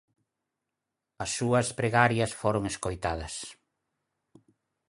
As súas pregarias foron escoitadas.